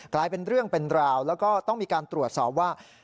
กลายเป็นเรื่องเป็นราวแล้วก็ต้องมีการตรวจสอบว่า